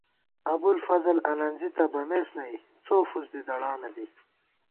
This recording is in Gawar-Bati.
ابُوالفضل الَنزی تہ بمېس نئ، څو فُسدِی دڑانہ دی